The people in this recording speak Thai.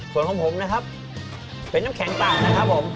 ส่วนของผมนะครับเป็นน้ำแข็งต่างนะครับผม